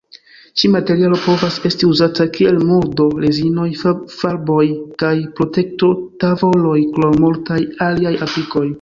Ĉi-materialo povas esti uzata kiel muldo-rezinoj, farboj kaj protekto-tavoloj, krom multaj aliaj aplikoj.